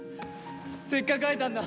せっかく会えたんだ！